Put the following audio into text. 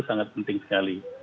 sangat penting sekali